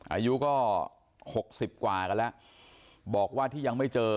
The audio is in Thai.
อายุก็หกสิบกว่ากันแล้วบอกว่าที่ยังไม่เจอ